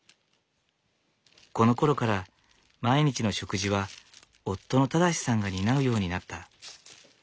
このころから毎日の食事は夫の正さんが担うようになった。